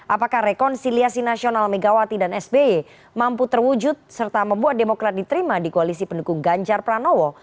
apakah rekonsiliasi nasional megawati dan sby mampu terwujud serta membuat demokrat diterima di koalisi pendukung ganjar pranowo